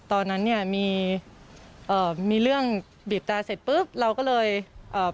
ตอนนั้นเนี่ยมีเอ่อมีเรื่องบีบแต่เสร็จปุ๊บเราก็เลยเอ่อ